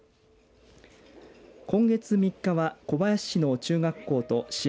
今月３日は小林市の中学校と支援